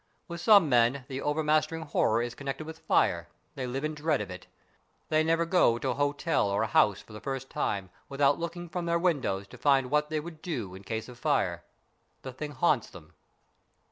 With some men the overmastering horror is connected with fire. They live in dread of it. They never go to an hotel or a house for the first time without looking from their windows to find what they would do in case of fire. The thing haunts them.